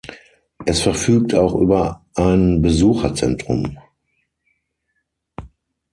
Es verfügt auch über ein Besucherzentrum.